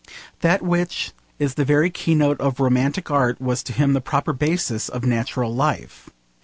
That which is the very keynote of romantic art was to him the proper basis of natural life.